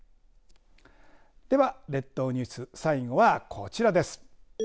では、列島ニュース最後はこちらです。